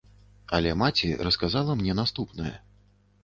Але маці расказала мне наступнае.